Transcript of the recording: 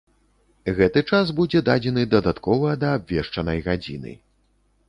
Гэты час будзе дадзены дадаткова да абвешчанай гадзіны.